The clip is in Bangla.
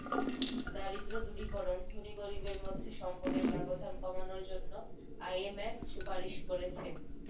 দারিদ্র্য দূরীকরণ, ধনী-গরিবের মধ্যে সম্পদের ব্যবধান কমানোর জন্য আইএমএফ সুপারিশ করেছে।